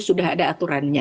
sudah ada aturannya